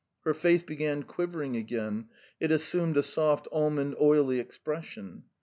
Her face began quivering again; it assumed a soft almond oily expression.